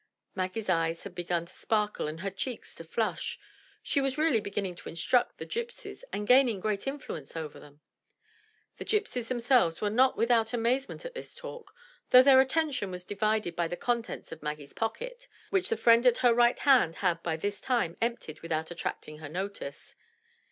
Maggie's eyes had begun to sparkle and her cheeks to flush, — she was really beginning to instruct the gypsies, and gaining great influence over them. The gypsies themselves were not without amazement at this talk, though their attention was divided by the contents of Maggie's pocket, which the friend at her right hand had by this time emptied without attracting her notice.